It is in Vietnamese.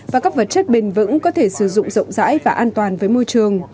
và các vật chất bền vững có thể sử dụng rộng rãi và an toàn với môi trường